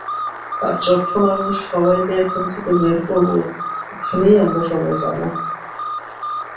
আর যখন আমি সবাইকে এখান থেকে বের করব, ওখানেই আমরা সবাই যাবো।